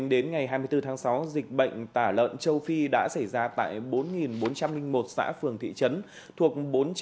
đến ngày hai mươi bốn tháng sáu dịch bệnh tả lợn châu phi đã xảy ra tại bốn bốn trăm linh một xã phường thị trấn thuộc bốn trăm năm mươi chín